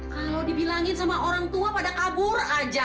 kalau dibilangin sama orang tua pada kabur aja